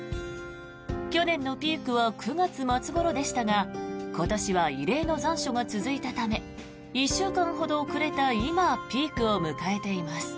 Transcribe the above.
去年のピークは９月末ごろでしたが今年は異例の残暑が続いたため１週間ほど遅れた今ピークを迎えています。